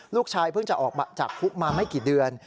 ลูกชายเพิ่งจะออกมาจากคุกมาไม่กี่เดือน